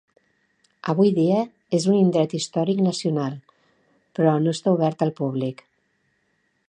Avui dia és un Indret Històric Nacional, però no està obert al públic.